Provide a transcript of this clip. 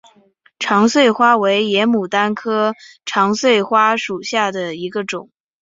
长穗花为野牡丹科长穗花属下的一个种。